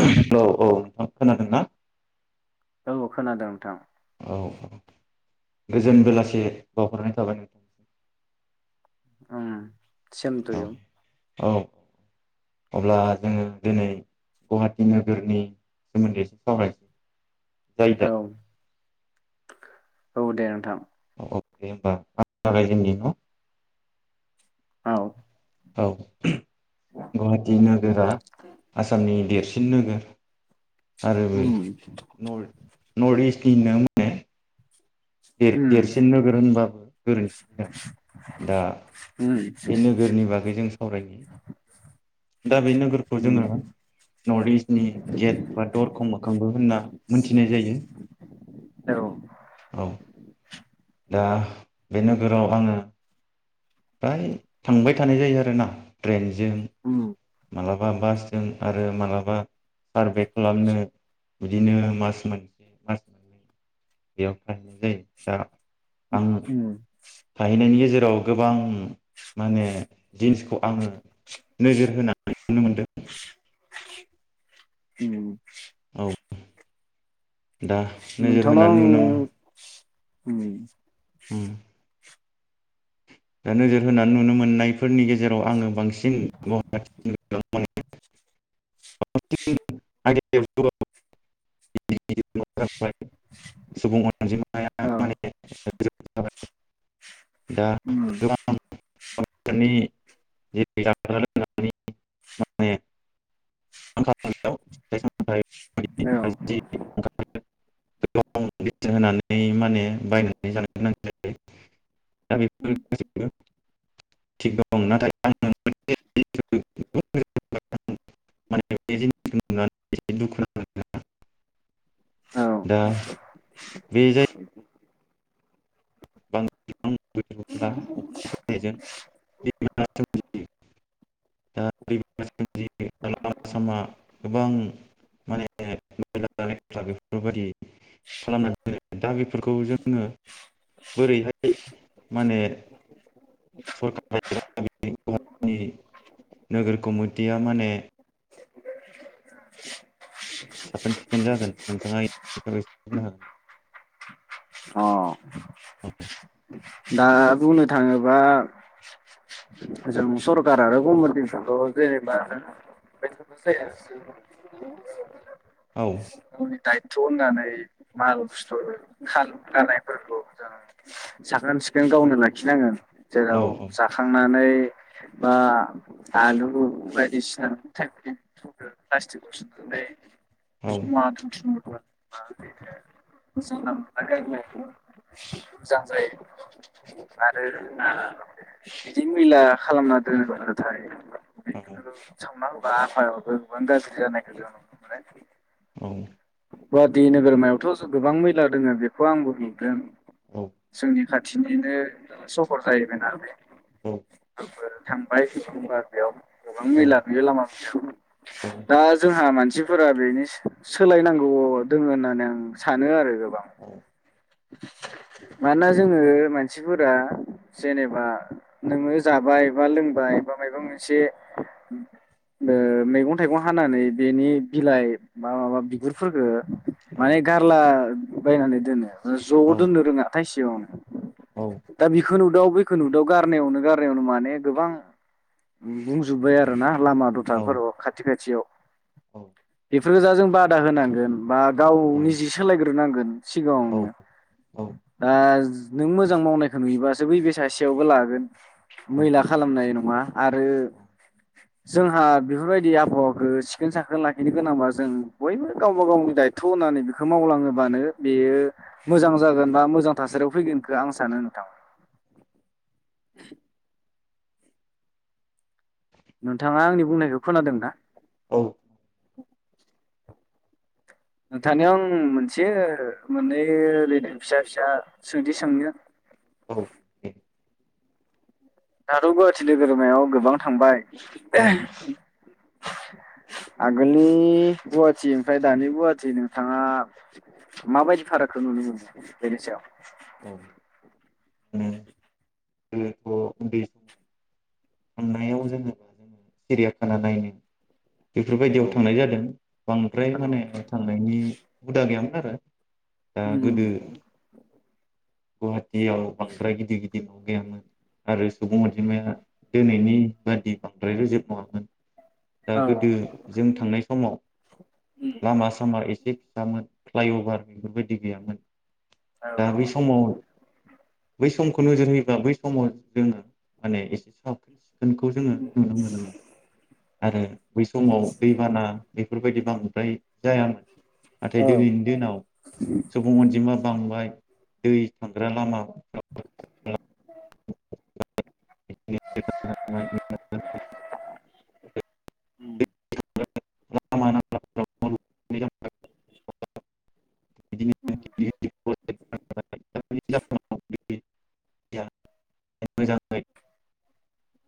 उम औ औ नों खोनादोंना? औ खोनादों नोंथां। औ औ गोजोन बेलासे बाउहरनाय थाबाय। उम। Same to you. औ औ अब्ला जोङो दिनै गुवाहाटि नोगोरनि सोमोन्दै एसे सावरायनो। औ। औ दे नोंथां। अके होनबा आं जागायजेननि न'? औ। औ। गुवाहाटी नोगोरा आसामनि देरसिन नोगोर। आरो बे उम नर्थ नर्थ इस्ट [unintelligible] उम देर-देरसिन नोगोर होनबाबो गोरोन्थि जाया, दा उम बे नोगोरनि बागै जों सावरायनि। दा बे नोगोरखौ उम जोङो नर्थ इस्टनि गेट बा दरखं मोखांबो होनना मोनथिनाय जायो औ औ दा बे नोगोराव आङो फ्राय थांबाय थानाय जायो आरोना ट्रेन जों उम मालाब माबा बासजों आरो मालाबा सारभे खालामनो बिदिनो मास मोनसे मास मोननै बेयाव थाहैनाय जायो दा उम आं उम थाहैनायनि गेजेराव गोबां माने दि जिनिसखौ आङो नोजोर होनानै नुनो मोनदों दिनै [inaudible] दा नोजोर होनानै नोंथांनाव नुनो मोनो आं उम उम दा नोजोर होनानै नुनो मोननायफोरनि गेजेराव आङो बांसिन [unintelligible] [unintelligible] सुबुं अनजिमाया माने गोबां औ जाबाय [inaudible] उम दा गोबां आनो [unintelligible] औ [unintelligible] गोबां होनानै माने बायनानै जानो गोनां जायो [unintelligible] [unintelligible] औ दा बे [unintelligible] बां [unintelligible] [unintelligible] बिदिनो लामा सामा गोबां माने बेफोरबायदि खालामनानै दा बे फोरफोरखौ जोङो बोरैहाय माने सरखार एबा गनि नोगोर कमिटिया माने साखोन सिखोन जागोन नोंथाङासाबै हाग अ दा बुंनो थाङोबा जों सरखार आरो गमबन' जेनेबा [unintelligible] औ गावनि दायथ' होननानै माल फुस्थर ख दानायफोरखौ जों साखोन सिखोन गावनो लाखिनांगोन । औ जेराव जाखांनानै बा आलु बायदिसिना [unintelligible] औ जमा दोनथुमगोन। बिदि मैला खालामना दोनोबथाय बेखौ औ सावना सावना हो बा आफहावायावबो गोबां गार्जि जानायखौ नुनो मोनो । औ गुवाहाटि नोगोरमायावथ' जों गोबां मैला दोङो बेखौ आंबो नुदों औ । जोंनि खाथिनिनो सहर जाहैबायना बे । औ [unintelligible] गोबां औ मैला नुयो लामा सामायाव दा जोंहा मान सिफोरा बेनि सो सो सोलायनांगौ दङ होननानै आं सानो आरो । गोबां । औ मानोना जोङो मानसिफोरा जेनेबा नोङो जाबाय बा लोंबाय बा माबा मोनसे मो मैगं थाइगं हानानै बेनि बिलाइ बा माबा बिगुरफोरखौ माने गारला बायनानै दोनो । ज' दोननो रोङा । थायसेयावनो दा बेखौनु दाव बैखौ नुदाव गारनायावनो गारनायावनो माने गोबां बुंजोब्बाय आरो ना । लामा दथाफोराव खाथि खाथियाव । औ बेफोर जा जों बादा होनांगोन । बा गाव औ निजे सोलाय ग्रो नांगोन । औ सिगाङावनो । औ दा दा नों मोजां मावनायखौ नुयोबासो बैब सासेयावबो लागोन । औ मैला खालामनाय नङा । आरो जोंहा बेफोरबायदि आबहावाखौ सिखोन साखोन लाखिनो गोनांबा जों बयबो गावबा गावनि दायथथ' होनानै बेखौ मावलाङोबानो बेयो। मोजां जागोन बा मोजां थासारियाव फैगोनखौ आं सानो नोंथां। नोंथाङा आंनि बुंनायखौ खोनादों ना? औ। नोंथानिाव आं मोनसे मोननै ल फिसा फिसा सोंदि सोंनो। औ दाथ' गुवाहाटि नोगोरमायाव गोबां थांबाय। औ [inaudible] आगोलनि गुवाहाटि ओमफ्राय दानि गुवाहाटि नोंथाङा। औ। ओम। न्दै समाव [inaudible] बेफोरबायदियाव थांनाय औ जादों बांद्राय। औ [inaudible] उ। गोदो गुवाहाटियाव बांद्राय गिदिर गिदिर न' गैयामोन। आरो सुबुं अजिमाया दिनैनि बादि बांद्राय रोजोब नङामोन। दा औ गोदो जों थांनाय समाव लामा सामा एसे फिसामोन फ्लाइअभार बेफोरबायदि गैयामोन। औ दा बे समाव बै समखौ नोजोर होयोब्ला बै समाव जोङो माने एसे साबाख्रि [unintelligible] होनखौ जोङो नुनो मोनोमोन। आरो। बै समाव दैबाना बेफोरबायदि बांद्राय। जाया नाथाय औ दिनैनि दिनाव सुबुं अनजिमा बांबाय दै थांग्रा लामा औ [unintelligible] [unintelligible] [unintelligible] [unintelligible] मोजाङै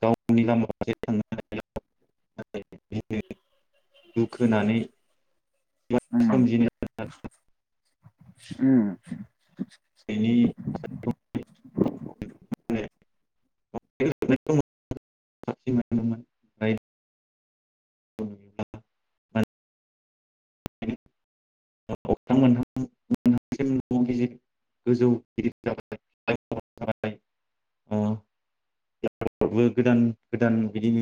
गावनि लामा थांनो हानाया। दुख होनानै। [unintelligible] ओम बेनि [inaudible] [unintelligible] [inaudible] गोदान गोदान बिदिनो